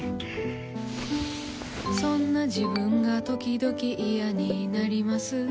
そんな自分がときどき嫌になります。